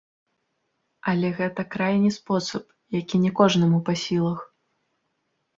Але гэта крайні спосаб, які не кожнаму па сілах.